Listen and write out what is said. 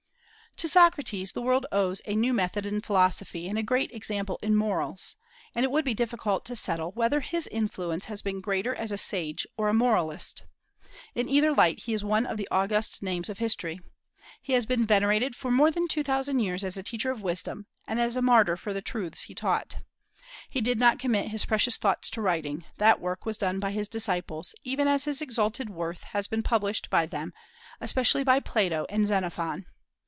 To Socrates the world owes a new method in philosophy and a great example in morals; and it would be difficult to settle whether his influence has been greater as a sage or as a moralist. In either light he is one of the august names of history. He has been venerated for more than two thousand years as a teacher of wisdom, and as a martyr for the truths he taught. He did not commit his precious thoughts to writing; that work was done by his disciples, even as his exalted worth has been published by them, especially by Plato and Xenophon.